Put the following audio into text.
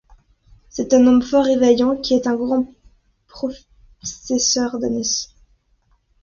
C'est un homme fort et vaillant qui est un grand possesseur d'ânesses.